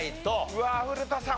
うわあ古田さん